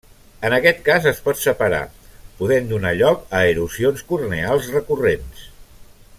En aquest cas es pot separar, podent donar lloc a erosions corneals recurrents.